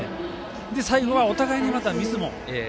最後は、お互いにまたミスも。